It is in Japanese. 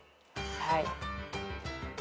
はい。